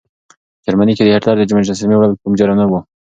په جرمني کې د هېټلر د مجسمې وړل کوم جرم نه و.